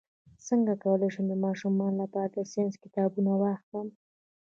څنګه کولی شم د ماشومانو لپاره د ساینس کتابونه واخلم